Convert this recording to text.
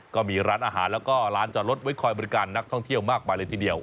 ก็มีร้านอาหารแล้วก็ร้านจอดรถไว้คอยบริการนักท่องเที่ยวมากมายเลยทีเดียว